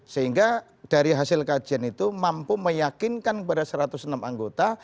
sehingga dari hasil kajian itu mampu meyakinkan kepada satu ratus enam anggota